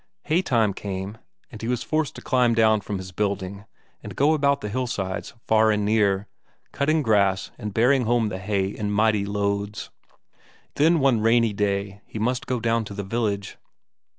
Haytime came, and he was forced to climb down from his building and go about the hillsides far and near, cutting grass and bearing home the hay in mighty loads. Then one rainy day he must go down to the village.